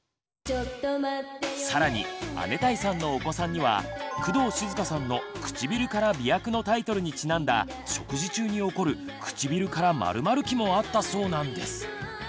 さらに姉帯さんのお子さんには工藤静香さんの「くちびるから媚薬」のタイトルにちなんだ食事中に起こる「くちびるから○○期」もあったそうなんです。